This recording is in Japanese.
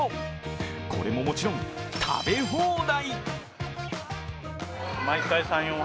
これももちろん食べ放題！